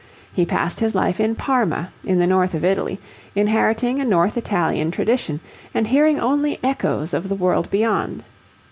He passed his life in Parma, in the north of Italy, inheriting a North Italian tradition, and hearing only echoes of the world beyond.